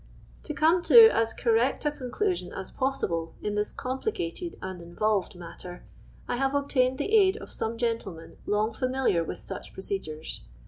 To come to as correct a conclusion as pr»ssible in this complicated and invohed matter, I have obtained the aid of some gentU men long familiar with such procedures.